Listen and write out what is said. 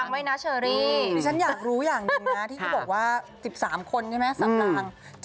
นี่ถือเป็นเคล็ดลับพี่แจ๊ก